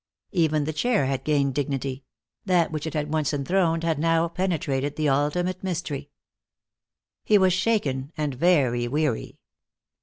Even the chair had gained dignity; that which it had once enthroned had now penetrated the ultimate mystery. He was shaken and very weary.